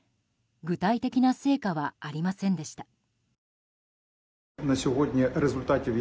具体的な成果はありませんでした。